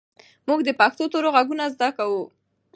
موږ د پښتو تورو غږونه زده کوو.